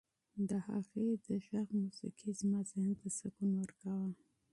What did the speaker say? د هغې د غږ موسیقي زما ذهن ته سکون ورکاوه.